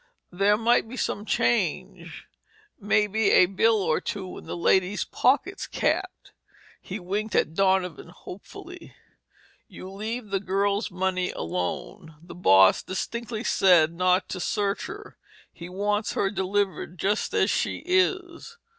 "There might be some change—maybe a bill or two in the lady's pockets, Cap?" He winked at Donovan hopefully. "You leave the girl's money alone. The boss distinctly said not to search her. He wants her delivered just as she is."